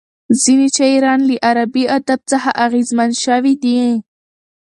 ځینې شاعران له عربي ادب څخه اغېزمن شوي دي.